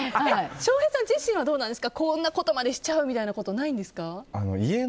翔平さん自身はこんなことまでしちゃうみたいなことないですか？